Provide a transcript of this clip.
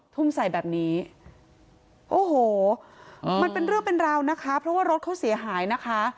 ทุ่มใส่แบบนี้โอ้โหมันเป็นเรื่องเป็นราวนะคะเพราะว่ารถเขาเสียหายนะคะ